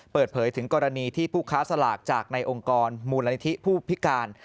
เปิดเผยถึงกรณีที่ผู้ค้าสลากจากในองค์กรมูลนิธิผู้พิการ